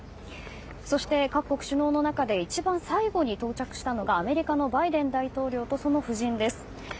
そして、各国首脳の中で一番最後に到着したのがアメリカのバイデン大統領とその夫人です。